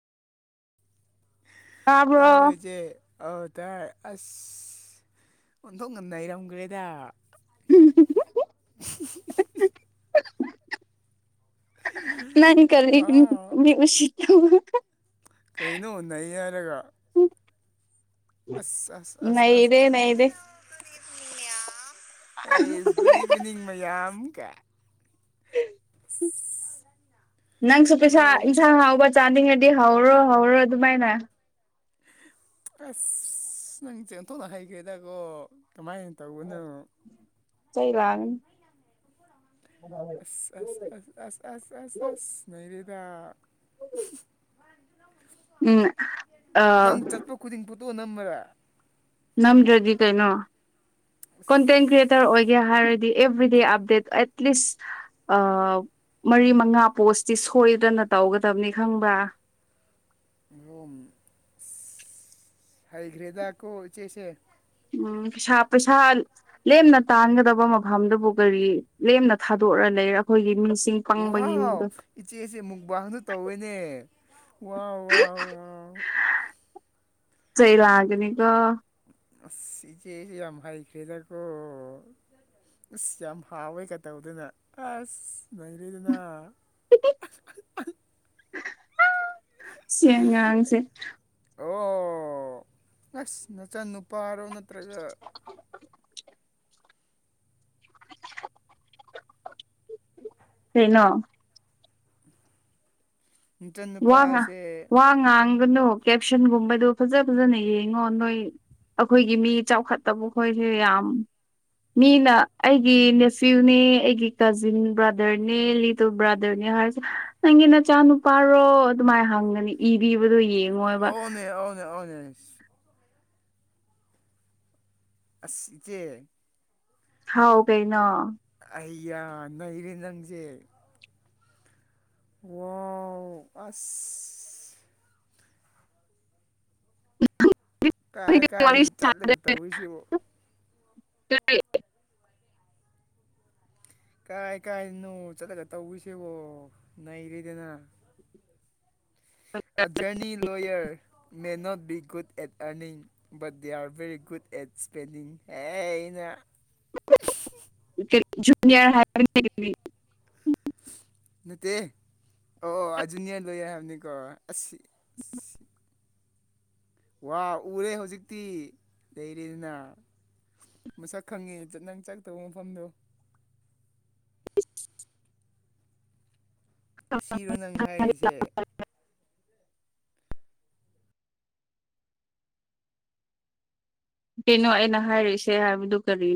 ꯇꯥꯕ꯭ꯔꯣ ꯇꯥꯁꯦ ꯑꯧ ꯇꯥꯏ ꯑꯁ ꯑꯣꯟꯊꯣꯛ ꯉꯝꯅ ꯏꯔꯝꯈ꯭ꯔꯦꯗ ꯎ ꯉꯅꯤ ꯀꯔꯤ ꯋꯥ ꯃꯤꯁꯤ ꯀ ꯀꯩꯅꯣ ꯅꯩ ꯍꯥꯏꯔꯒ ꯑꯁ ꯑꯁ ꯑꯁ ꯑꯁ ꯅꯩꯔꯦ ꯅꯩꯔꯦ ꯨꯗ ꯏꯚꯅꯤꯡ ꯃꯌꯥꯝꯝ ꯀ ꯅꯪꯁꯨ ꯄꯩꯁꯥ ꯍꯜꯂꯣ ꯌꯦꯟꯁꯥꯡ ꯍꯥꯎꯕ ꯆꯥꯅꯤꯡꯉꯗꯤ ꯍꯧꯔꯣ ꯍꯧꯔꯣ ꯑꯗꯨꯃꯥꯏꯅ ꯑꯁ ꯅꯪ ꯆꯦꯟꯊꯣꯛꯅ ꯍꯩꯒꯦꯗꯀꯣ ꯀꯃꯥꯏꯅ ꯇꯧꯕꯅꯣ ꯁꯩ ꯂꯒꯅꯤ ꯑꯁ ꯑꯁ ꯑꯁ ꯑꯁ ꯑꯁ ꯑꯁ ꯑ ꯅꯔꯦꯥ ꯎꯝ ꯅꯪ ꯑꯥ ꯆꯠꯄ ꯈꯨꯗꯤꯡ ꯐꯣꯠꯇꯣꯛ ꯅꯝꯃꯔꯦ ꯅꯝꯗ꯭ꯔꯗꯤ ꯀꯩꯅꯣ ꯀꯣꯟꯇꯦꯟ ꯀ꯭ꯔꯤꯌꯦꯇꯔ ꯑꯁ ꯑꯣꯏꯒꯦ ꯍꯥꯏꯔꯗꯤ ꯑꯦꯕ꯭ꯔꯤꯗꯦ ꯑꯞꯗꯦꯠ ꯑꯦꯠꯂꯤꯁ ꯑ ꯃꯔꯤ ꯃꯉꯥ ꯄꯣꯁꯇꯤ ꯁꯣꯏꯗꯅ ꯇꯧꯒꯗꯕꯅꯤ ꯈꯪꯕ꯭ꯔꯥ ꯔꯣꯨꯝ [unintelligible] ꯍꯩꯒ꯭ꯔꯦꯗꯥꯀꯨ ꯆꯦꯁꯦ ꯎꯝ ꯄꯩꯁꯥ ꯄꯩꯁꯥ ꯂꯦꯝꯅ ꯇꯥꯟꯒꯗꯕ ꯃꯐꯝꯗꯨꯕꯨ ꯀꯔꯤ ꯂꯦꯝꯅ ꯊꯥꯗꯣꯛꯔ ꯂꯩꯔ ꯑꯩꯈꯣꯏꯒꯤ ꯃꯤꯁꯤꯡ ꯍꯥꯎ ꯍꯥꯎ ꯄꯪꯕꯒꯤꯅꯤꯗꯣ ꯏꯆꯦ ꯏꯆꯦ ꯃꯨꯛꯕꯥꯅ ꯇꯧꯋꯦꯅꯦ ꯋꯥꯎ ꯋꯥꯎ ꯋꯥꯎ ꯆꯩ ꯂꯒꯅꯤꯒꯣ ꯑꯁ ꯏꯆꯦꯁꯤ ꯌꯥꯝ ꯍꯥꯏꯥꯏ ꯈꯦꯗꯀꯣ ꯑꯁ ꯌꯥꯝ ꯍꯥꯎꯋꯦ ꯀ ꯇꯧꯗꯨꯅ ꯑꯁ ꯅꯔꯤꯗꯨꯅ ꯁꯦ ꯉꯔꯥꯡꯁꯦ ꯑꯣ ꯑꯁ ꯅꯆꯟ ꯅꯨꯄꯥꯔꯣ ꯅꯠꯇ꯭ꯔꯒ [unintelligible] ꯆꯩꯩꯅꯣ ꯋꯥ ꯉ ꯋꯥ ꯉꯥꯡꯒꯅꯨ ꯀꯦꯞꯁꯟꯒꯨꯝꯕꯗꯣ ꯐꯖ ꯐꯖꯅ ꯌꯦꯡꯉꯣ ꯅꯣꯏ ꯑꯩꯈꯣꯏꯒꯤ ꯃꯤ ꯆꯥꯎꯈꯠꯇꯕ ꯈꯣꯏꯁꯦ ꯌꯥꯝ ꯃꯤꯅ ꯑꯩꯒꯤ ꯅꯦꯐ꯭ꯤꯌꯨꯅꯦ ꯑꯩꯒꯤ ꯀꯥꯖꯤꯟ ꯕ꯭ꯔꯥꯗꯔꯅꯦ ꯂꯤꯇꯣ ꯕ꯭ꯔꯥꯗꯔꯅꯦ ꯍꯥꯏꯔꯁꯤ ꯅꯪꯒꯤ ꯅꯆꯥ ꯅꯨꯨꯄꯥꯔꯣ ꯑꯗꯨꯃꯥꯏꯅ ꯍꯪꯒꯅꯤ ꯏꯕꯤꯕꯗꯣ ꯌꯦꯡꯉꯣꯏꯕ ꯑꯧꯅꯦ ꯑꯧꯅꯦ ꯑꯁꯆ ꯍꯥꯎ ꯀꯩꯅ ꯑꯩꯒ ꯅꯩꯔꯦ ꯅꯪꯁꯦ ꯑꯣ ꯑꯁ [unintelligible] ꯀꯥꯏ ꯀꯥꯏꯗꯅꯣ ꯆꯠꯂꯒ ꯇꯧꯨꯁꯦꯕꯣ ꯅꯩꯔꯦꯗꯅ ꯑꯖꯔꯅꯤ lawyer meant be good at earning but they are very good at spending ꯍꯦꯩꯅ ꯖꯨꯅꯤꯌꯔ ꯍꯥꯏ ꯅꯠꯇꯦ ꯑꯣ ꯑꯗꯨꯖꯨꯅꯤꯌꯥ ꯂꯣꯏꯦ ꯍꯥꯏꯕꯅꯤꯀꯣ ꯑꯁꯤꯁꯤ ꯋꯥ ꯎꯔꯦ ꯍꯧꯖꯤꯛꯇꯤ ꯂꯩꯔꯦꯗꯅ ꯃꯁꯛ ꯈꯪꯉꯦ ꯅꯪ ꯆꯛꯇꯧꯕ ꯃꯐꯝꯗꯣ ꯑꯁꯤꯔꯣ ꯅꯪ ꯍꯥꯏꯔꯤꯁꯦ ꯀꯩꯅꯣ ꯑꯩꯅ ꯍꯥꯏꯔꯤꯁꯦ ꯍꯥꯏꯕꯗꯨ ꯀꯔꯤꯅꯣ